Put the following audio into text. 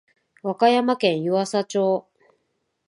和歌山県湯浅町